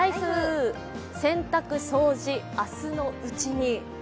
洗濯掃除、あすのうちに。